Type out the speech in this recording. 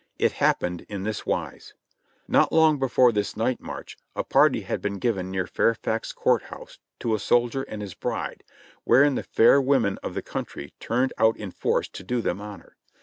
It happened in this wise : Not long before this night march a party had been given near Fairfax Court House to a soldier and his bride, wherein the fair women of the country turned out in force to do them honor.